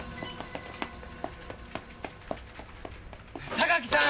榊さん！